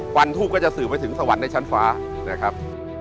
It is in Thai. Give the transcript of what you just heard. วันทูปก็จะสื่อไปถึงสวรรค์ในชั้นฟ้านะครับ